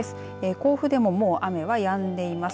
甲府でももう雨はやんでいます。